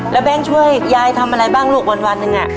แล้วแม่ช่วยยายทำอะไรบ้างลูกวันนึงอะ